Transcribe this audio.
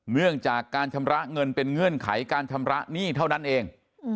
เนื่องจากการชำระเงินเป็นเงื่อนไขการชำระหนี้เท่านั้นเอง